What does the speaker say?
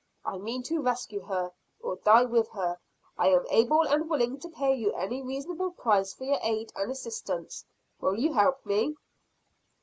I mean to rescue her or die with her. I am able and willing to pay you any reasonable price for your aid and assistance, Will you help me?"